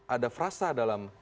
ada frasa dalam